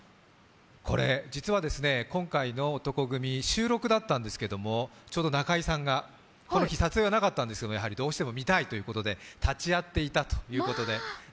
これ、実は今回の男闘呼組、収録だったんですけど、ちょうど中居さんが、この日、撮影はなかったんですけれども、どうしても見たいということで立ち会っていたということで。